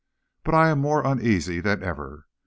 But I am more uneasy than ever.